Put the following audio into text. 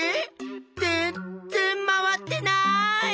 ぜんっぜん回ってない！